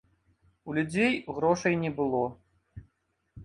У людзей грошай не было.